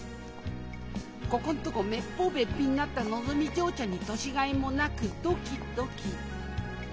ここんとこめっぽうべっぴんになったのぞみ嬢ちゃんに年がいもなくドキドキ。